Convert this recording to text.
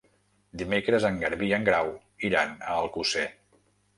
Dimecres en Garbí i en Grau iran a Alcosser.